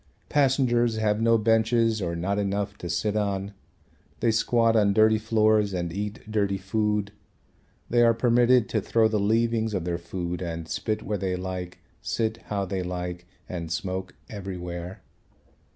Passengers have no benches or not enough to sit on. They squat on dirty floors and eat dirty food. They are permitted to throw the leavings of their food and spit where they like, sit how they like and smoke everywhere.